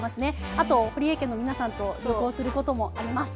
あとほりえ家の皆さんと旅行することもあります。